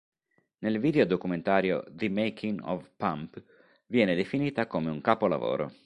Nel video-documentario "The Making of Pump", viene definita come un "capolavoro".